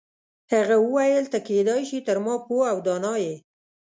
هغه وویل ته کیدای شي تر ما پوه او دانا یې.